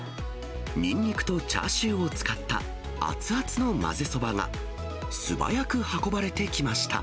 にんにくとチャーシューを使った熱々の混ぜそばが素早く運ばれてきました。